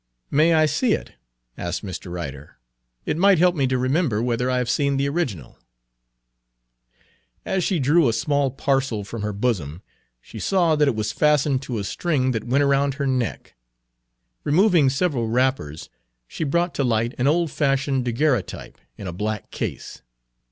"May I see it?" asked Mr. Ryder. "It might help me to remember whether I have seen the original." As she drew a small parcel from her bosom he saw that it was fastened to a string that went around her neck. Removing several wrappers, she brought to light an old fashioned daguerreotype in a black case.